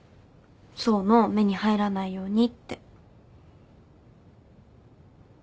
想の目に入らないようにって。